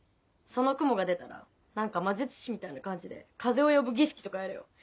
その雲が出たら何か魔術師みたいな感じで風を呼ぶ儀式とかやれよ。